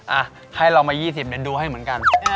อ่ะให้เรามา๒๐เมนูให้เหมือนกัน